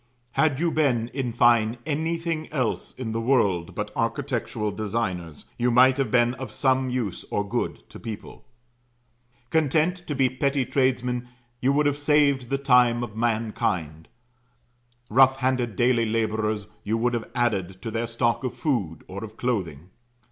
Had you been, in fine, anything else in the world but architectural designers, you might have been of some use or good to people. Content to be petty tradesmen, you would have saved the time of mankind; rough handed daily labourers, you would have added to their stock of food or of clothing.